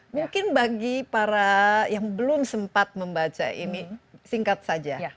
mungkin bagi para yang belum sempat membaca ini singkat saja